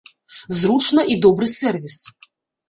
Зручна і добры сэрвіс.